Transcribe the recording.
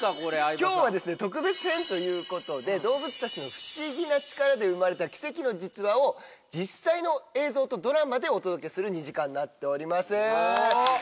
今日は特別編ということで動物たちの不思議な力で生まれた奇跡の実話を実際の映像とドラマでお届けする２時間になっております。